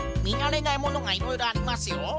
みなれないものがいろいろありますよ。